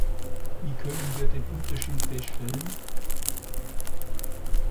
Wie können wir den Unterschied feststellen?